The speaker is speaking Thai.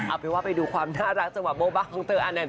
อาเวียว่าไปดูความน่ารักสมบัติโบ้มบ้างของเธออันนั้น